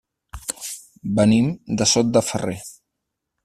Venim de Sot de Ferrer.